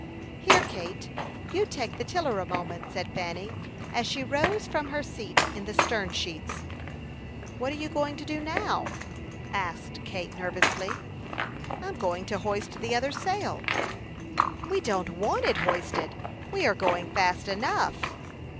"Here, Kate, you take the tiller a moment," said Fanny, as she rose from her seat in the stern sheets. "What are you going to do now?" asked Kate, nervously. "I'm going to hoist the other sail." "We don't want it hoisted. We are going fast enough."